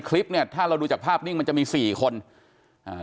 กลุ่มวัยรุ่นกลัวว่าจะไม่ได้รับความเป็นธรรมทางด้านคดีจะคืบหน้า